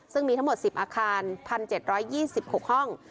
ซึ่งมีทั้งหมด๑๐อาคาร๑๗๒๖ห้อง